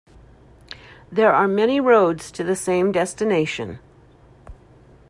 There are many roads to the same destination.